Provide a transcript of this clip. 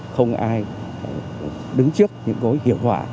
không ai đứng trước những gối hiệu quả